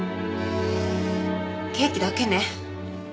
ケーキだけね。